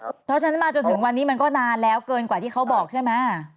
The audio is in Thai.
เพราะฉะนั้นมาจนถึงวันนี้มันก็นานแล้วเกินกว่าที่เขาบอกใช่ไหม